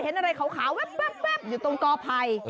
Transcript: เห็นอะไรขาวแว๊บอยู่ตรงกอภัย